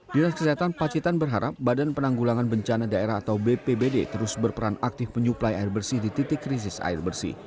dinas kesehatan pacitan berharap badan penanggulangan bencana daerah atau bpbd terus berperan aktif menyuplai air bersih di titik krisis air bersih